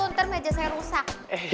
ntar meja saya rusak